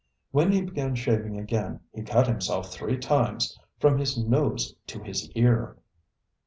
When he began shaving again he cut himself three times from his nose to his ear.